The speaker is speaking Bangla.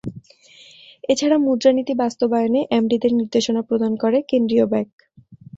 এ ছাড়া মুদ্রানীতি বাস্তবায়নে এমডিদের নির্দেশনা প্রদান করে কেন্দ্রীয় ব্যাংক।